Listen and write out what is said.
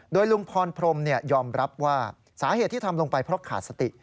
โดยลุงพรพรมยอมรับว่าสาเหตุที่ทำลงไปเพราะขาดสติ